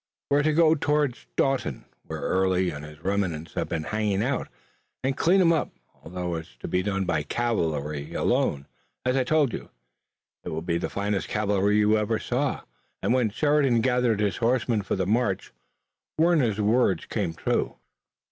"We're to go toward Staunton, where Early and his remnants have been hanging out, and clean 'em up. Although it's to be done by cavalry alone, as I told you, it'll be the finest cavalry you ever saw." And when Sheridan gathered his horsemen for the march Warner's words came true.